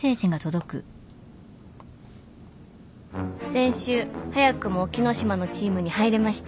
「先週早くも沖野島のチームに入れました！」